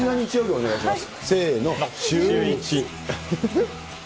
お願いします。